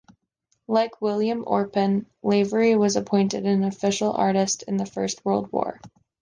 Like William Orpen, Lavery was appointed an official artist in the First World War.